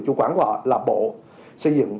chủ quản của họ là bộ xây dựng